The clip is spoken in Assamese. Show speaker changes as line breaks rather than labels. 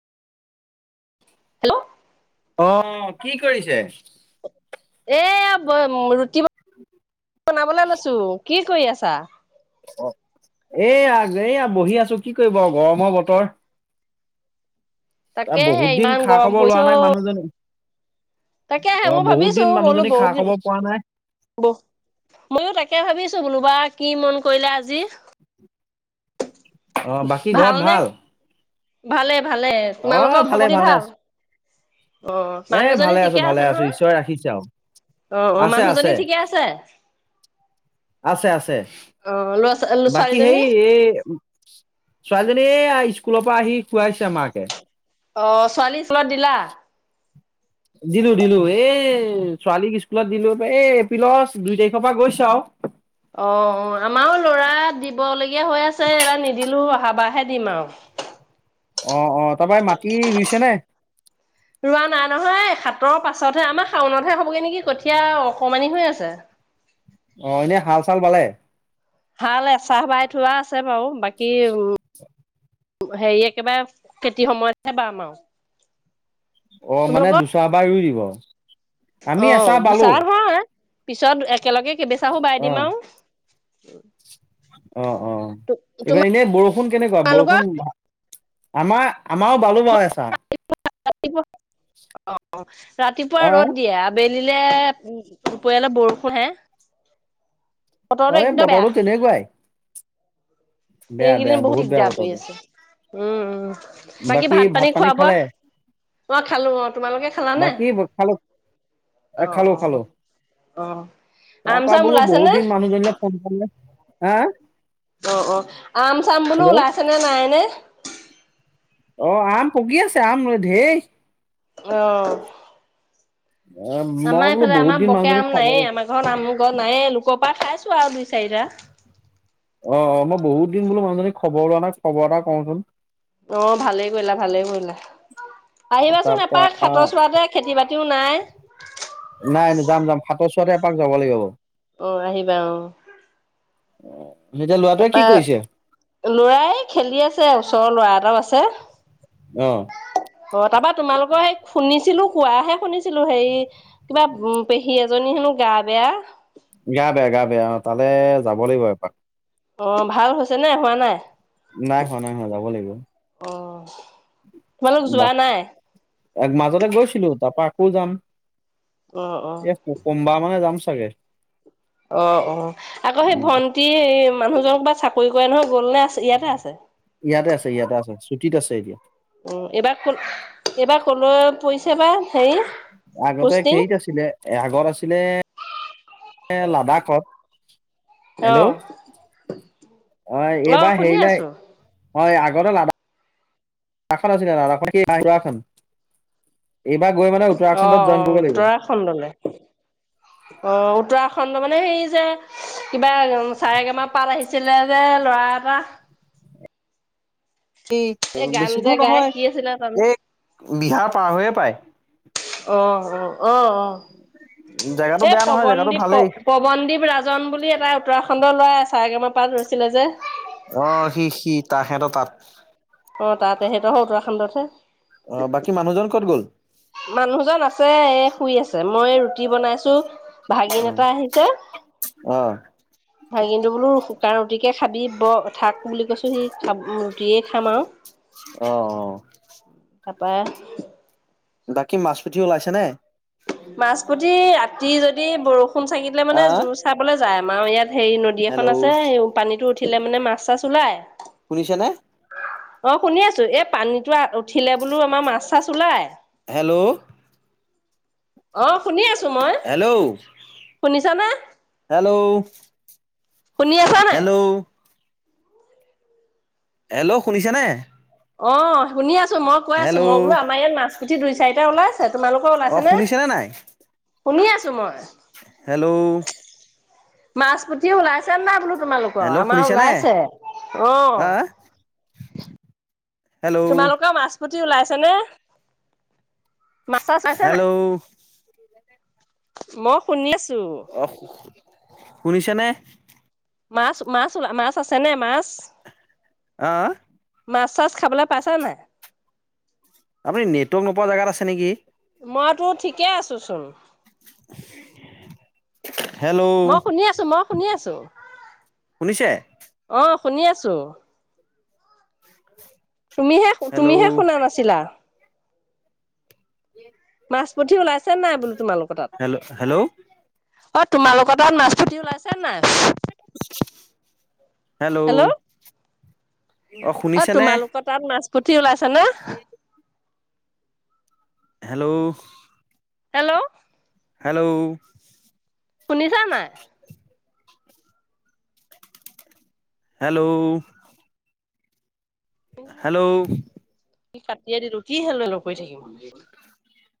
হেল্ল',
অহ', কি কৰিছে?
এয়া ব মুৰ বনাবলৈ লৈছো। কি কৰি আছা?
অহ ', এয়া এইয়া বহি আছো কি কৰিব গৰমৰ বতৰ। টা
তাকেহে
বহুত দিন
ইমান
খা
গৰম
খবৰ
পৰিছে
লোৱা
অ
নাই মানুহজনী।
তাকেহে
অহ
মই
', বহুত
ভাবিছো
দিন
বোলো
মানুহজনী খা
বহুত দিন
খবৰ পোৱা নাই।
ময়ো তাকে ভাবিছো বোলোবা কি মন। কৰিলে আজি।
অহ বাকী ঘৰত
ভালনে
ভাল?
ভালে। ভালে
অ
তোমালোকৰ খবৰ
ভালে
পাতি
ভালে
ভাল
আছো
অহ ',
এ
মানুহজনী
ভালে আছো
ঠিকে
ভালে
আছে
আছো
নহয়
ঈশ্বৰে ৰাখিছে আৰু
অহ ', - অহ ',
আছে
মানুহজনী
আছে।
ঠিকে আছে অহ
আছে আছে
', লৰা ছোৱালীজনী।
ছোৱালীজনীয়ে স্কুলৰ পৰা আহি খুৱাইছে আমাক। এ
অহ ', ছোৱালী স্কুলত দিলা।
দিলো -দিলো এ ছোৱালীক স্কুলত দিলো এই এপ্ৰিলৰ দুই তাৰিখৰ পৰা গৈছো আৰু।
অহ ', - অহ ', আমাৰো লৰা দিবলগীয়া হৈ আছে এবাৰ নিদিলো অহা বাৰহে দিম আৰু।
অহ ', - অ', তাৰপৰা মাটি ৰুইছে নে?
ৰোৱা নাই নহয় সাতৰ পাছতহে আমাৰ শাওণতহে হ'বগৈ নেকি কঠীয়া অকমানি হৈ আছে।
অহ ', এনে হাল চাল বালে?
ভাল এ চাহ বাই থোৱা আ আছে বাৰু বাকী উম ', হেৰি একেবাৰে খেতিৰ সময়তহে বাম আৰু।
অহ ', মানে দুচা বাৰ ৰুই দিব। আমি
অহ
এচাহ
',
বালো
দুচাৰ হোৱা পিছত এক একেলগে কেবেচাগে বাই
অ
দিম আৰু। উম [unintelligible]
অহ', - অহ ', এইবাৰ এনে বৰষুণ কেনেকুৱা
তোমালোকৰ
বৰষুণ। আমাৰ আমাৰো বালু বাৰ আছা।
ৰাতিপুৱা অহ ', ৰাতিপুৱা
অ
ৰ'দ দিয়ে আবে দিলে দুপৰিয়া বৰষুণ হে ।
অ বতৰো তেনেকুৱাই। বেয়া বেয়া
এইকেইদিন বহুত
বেয়া
দিকদাৰ কৰি
বতৰটো
আছে। উম উম। বাকী ভাত পানী খোৱা বোৱা অ খালো অ তোমালোকে খালানে
বাকী খালো
অ
খালো
অ
খালো
আহ
তাৰ
আম
পৰা
চাম ওলাইছে নে?
হে
অ, অ, আম চাম বুলো ওলাইছে নে নাইনে।
অ, আম পকি আছে, আম ধেৰ
অ।
অ মই
আমাৰ
বোলো
এইফালে,
বহুত
আমাৰ
দিন
বকে
মানুহজনীক
আম
খবৰ
নাইয়ে,
অ
আমাৰ ঘৰত আম নাইয়ে, লোকৰ পৰা খাইছো আৰু দুই চাৰিটা ।
অ, অ, মই বহুত দিন বোলো মানুহজনীক খবৰ লোৱা নাই, খবৰ এটা কওঁচোন।
অ, ভালেই কৰিলা ভালে কৰিলা। আহিবাচোন এপাক
তাৰপা
খাতৰ চৰাতে খেতি বাতি টো নাই।
নাই নাই যাম যাম [unintelligible] চোৱাতে এপাক যাব লাগিব।
অ, আহিবা অ।
অ
তাৰ পৰা ল'ৰাই খেলি আছে, ওচৰৰ ল'ৰা এটা আছে। অ, তাৰ পৰা তোমালোকৰ, শুনিছিলো কোৱাহে শুনিছিলো, হেৰি কিবা, পেহী এজনীৰ হেনো গা বেয়া।
গা বেয়া গা বেয়া, তালে যাব লাগিব এপাক।
অ, ভাল হৈছে নে হোৱা নাই।
নাই হোৱা নাই হোৱা যাব লাগিব।
অ। তোমালোক
বা,
যোৱা নাই?
এক মাজতে গৈছিলো তাৰ পৰা পু যাম
অ', অ',
এ সুম বা মানে যাম চাগে।
অ, অ, আকৌ সেই ভন্টিৰ, মানুহজনক বা চাকৰি [unintelligible] গ'ল নে আছে ইয়াতে আছে।
ইয়াতে আছে ইয়াতে আছে, ছুটীত আছে এতিয়া।
উম, এইবাৰ ক এইবাৰ ক'লৈ পৰিছেনে হেৰি।
আগতে
পোষ্টিং?
[unintelligible] আছিলে, আগত আছিলে এ লাডাখত। হেল্ল',
অ',
অ, এইবাৰ
শুনি
হেৰিলৈ
আছোঁ।
হয় আগতে লাডাখ [unintelligible]
অ,
উত্তৰাখণ্ডত
অ,
জইন কৰিব লাগিব
উত্তৰাখণ্ডলৈ। অ, উত্তৰাখণ্ড মানে হেৰি যে, কিবা চাৰেগামা পাত আহিছিলে যে ল'ৰা এটা। এই
[unintelligible]
গান
বেছি
যে
দূৰ
গাই কি আছিলে তাৰ নাম?
নহয়। এই বিহাৰ পাৰ হৈয়ে পায়।
অ, অ। অ, অ,
জেগাটো
এই
বেয়া নহয় জেগাটো
পৱনদ্বীপ প
ভালেই
পৱনদ্বীপ ৰাজন বুলি এটা উত্তৰাখণ্ড ল'ৰা আছি [inaudible] ৰৈছিলে যে।
তাহাঁতৰ তাত।
অ' তাতে সেইখিনি উত্তৰাখণ্ডত হে।
অ বাকী মানুহজন ক'ত গ'ল
মানুহজন আছে, এই শুই আছে মই এই ৰুটি বনাইছোঁ। ভাগিন
অ
এটা আহিছে।
অ
ভাগিনটো বোলো শুকান ৰুটিকে খাবি ব'হ। থাক বুলি কৈছো সি [unintelligible] ৰুটিয়ে খাম আৰু
অ অ
তাৰপৰা
বাকী মাছ-পুঠি ওলাইছে নে?
মাছ-পুথি ৰাতি যদি বৰষুণ [inaudible] চাগিলে
আ
মানে
আ
জোৰ চাবলে যাই আমাৰো ইয়াত। হেৰি নদী এখন
হেল্ল'
আছে এই পানীটো উঠি উঠিলে মানে মাছ-চাছ ওলাই।
শুনিছেনে?
অ' শুনি আছো, এই পানীটো উঠিলে বোলো আমাৰ মাছ-চাছ ওলাই।
হেল্ল'ও
অ' শুনি আছো মই
হেল্ল'?
শুনিছানে
হেল্ল'ও
শুনি আছা নাই?
হেল্ল', শুনিছে নে?
অ' শুনি আছোঁ। মই কৈ আছোঁ, মই বোলো আমাৰ ইয়াত মাছ- পুঠি দুই চাৰিটা ওলাইছে। তোমালোকৰ
অ
ওলাইছে নে?
শুনিছেনে নাই
শুনি আছোঁ মই।
হেল্ল'?
মাছ-পুঠি ওলাইছে নে নাই বোলো। তোমালোকৰ?
হেল্ল'
আমাৰ
শুনিছেনে
ওলাইছে
আ আ
অ'
হেল্ল'
তোমালোকেও মাছ পুঠি ওলাইছে নে? মাছ-চাছ চাইছে নাই?
হেল্ল'
মই শুনি আছোঁ।
অহ। শুনিছে নে?
মাছ, মাছ, মাছ আছে নে মাছ?
অ'
মাছ-চাছ খাবলৈ পাইছা নে নাই?
আপুনি নেটৱৰ্ক নোপোৱা জেগাত আছে নেকি?
মইতো ঠিকেই আছোচোন।
[inaudible]
মই শুনি আছো, মই শুনি আছো।
শুনিছে
অ' শুনি আছো। তুমিহে, তুমিহে
হেল্ল'
শুনা নাছিলা।
[inaudible]
মাছ- পুঠি ওলাই চেনে নাই বোলো তোমালোকৰ তাত?
হেল্ল' হেল্ল'
অ' তোমালোকৰ তাত মাছ-পুঠি ওলাইছে নে নাই?
[inaudible] হেল্ল'
অ' তোমালোকৰ তাত মাছ-পু পুঠি ওলাইছে নে?
হেল্ল'
হেল্ল'
হেল্ল'
শুনিছা নাই?
হেল্ল' হেল্ল'
কাটিয়ে দিলো কি হেল্ল', হেল্ল' কৰি থাকিম।